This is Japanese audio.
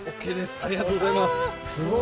ありがとうございます。